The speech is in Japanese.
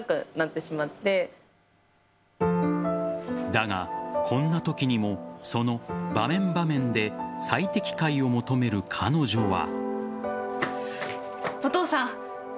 だが、こんなときにもその場面場面で最適解を求める彼女は。